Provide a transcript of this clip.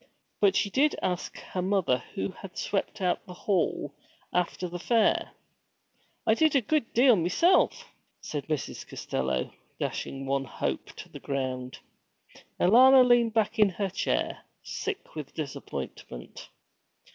But she did ask her mother who swept out the hall after the fair. 'I did a good deal meself,' said Mrs. Costello, dashing one hope to the ground. Alanna leaned back in her chair, sick with disappointment.